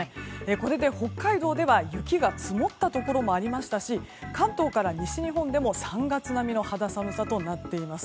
これで北海道では、雪が積もったところもありましたし関東から西日本でも、３月並みの肌寒さとなっています。